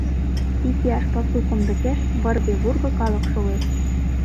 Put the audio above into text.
Икияш пасу кумдыкеш вырге-вурго калык шолеш.